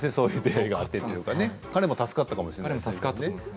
彼も助かったかもしれないですね。